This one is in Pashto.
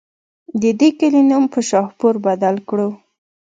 د دې کلي نوم پۀ شاهپور بدل کړو